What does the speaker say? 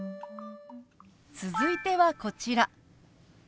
続いてはこちら。